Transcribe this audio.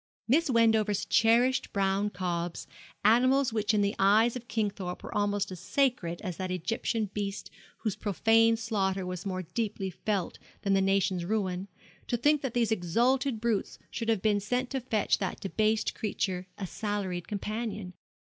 Miss Wendover's cherished brown cobs, animals which in the eyes of Kingthorpe were almost as sacred as that Egyptian beast whose profane slaughter was more deeply felt than the nation's ruin to think that these exalted brutes should have been sent to fetch that debased creature, a salaried companion.